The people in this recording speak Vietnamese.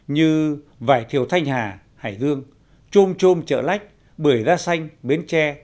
như vải thiều thanh hà hải dương chôm chôm chợ lách bưởi la xanh bến tre